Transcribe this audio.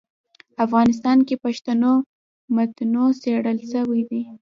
افغانستان کي پښتو متونو څېړل سوي دي.